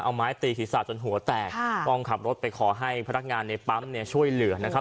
เอาไม้ตีศีรษะจนหัวแตกต้องขับรถไปขอให้พนักงานในปั๊มเนี่ยช่วยเหลือนะครับ